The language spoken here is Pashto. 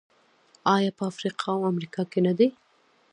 آیا په افریقا او امریکا کې نه دي؟